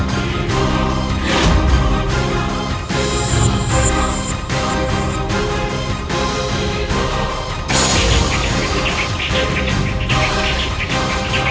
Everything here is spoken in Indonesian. sampai jumpa di video selanjutnya